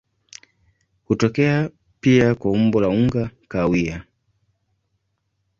Hutokea pia kwa umbo la unga kahawia.